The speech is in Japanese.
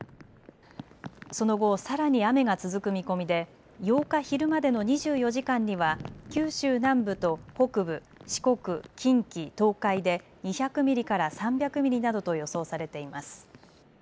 その後、さらに雨が続く見込みで８日昼までの２４時間には九州南部と北部、四国、近畿、東海で２００ミリから３００ミリなどと予想されています。